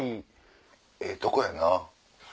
ええとこやな。